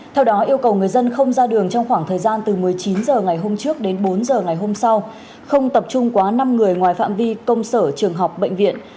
theo đó yêu cầu người dân không ra đường trong khoảng thời gian từ một mươi chín h ngày hôm trước đến bốn h ngày hôm sau không tập trung quá năm người ngoài phạm vi công sở trường học bệnh viện